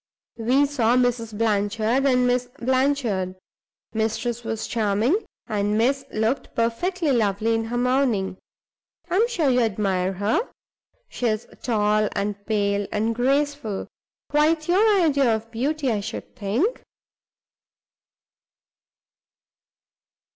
We saw Mrs. Blanchard and Miss Blanchard. Mistress was charming, and miss looked perfectly lovely in her mourning. I'm sure you admire her? She's tall and pale and graceful quite your idea of beauty, I should think?"